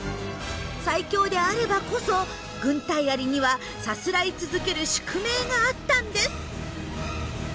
最強であればこそグンタイアリにはさすらい続ける宿命があったんです。